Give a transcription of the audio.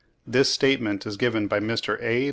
(29. This statement is given by Mr. A.